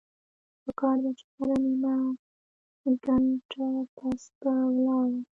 پکار ده چې هره نيمه ګنټه پس پۀ ولاړه